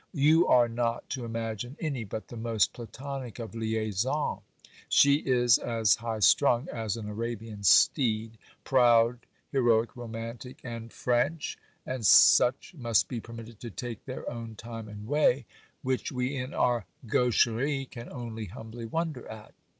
You are not to imagine any but the most Platonic of "liaisons." She is as high strung as an Arabian steed; proud,—heroic, romantic, and French! and such must be permitted to take their own time and way, which we in our gaucherie can only humbly wonder at.